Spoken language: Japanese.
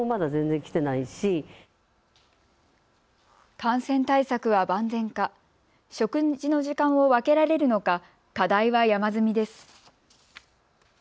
感染対策は万全か、食事の時間を分けられるのか課題は山積みです。